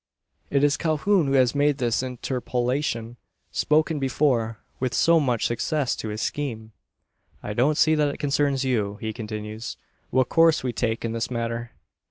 It is Calhoun who has made this interpolation spoken before with so much success to his scheme. "I don't see that it concerns you," he continues, "what course we take in this matter."